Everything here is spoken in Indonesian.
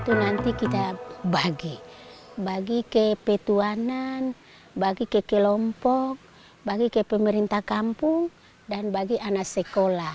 itu nanti kita bagi bagi ke petuanan bagi ke kelompok bagi ke pemerintah kampung dan bagi anak sekolah